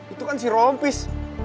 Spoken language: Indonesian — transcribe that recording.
itu kan si rompis